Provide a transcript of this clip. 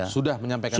sudah menyampaikan itu